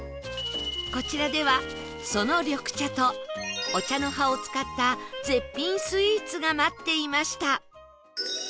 こちらではその緑茶とお茶の葉を使った絶品スイーツが待っていました